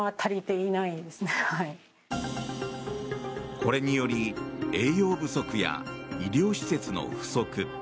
これにより栄養不足や医療施設の不足